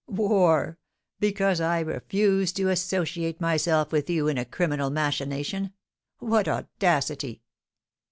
"War! Because I refuse to associate myself with you in a criminal machination! What audacity!"